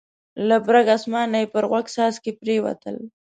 له برګ اسمانه یې پر غوږ څاڅکي پرېوتل.